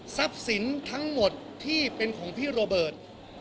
สินทั้งหมดที่เป็นของพี่โรเบิร์ต